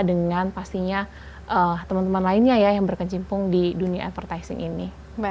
dengan pastinya teman teman lainnya ya yang berkecimpung di dunia advertising ini